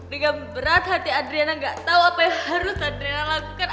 dengan berat hati adriana nggak tahu apa yang harus adriana lakukan